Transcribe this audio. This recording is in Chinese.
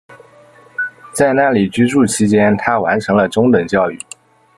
在那里居住期间她完成了中等教育。